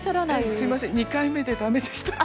すいません２回目で駄目でした。